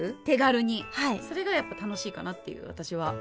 それがやっぱ楽しいかなっていう私は。